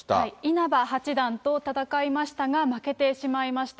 稲葉八段と戦いましたが、負けてしまいました。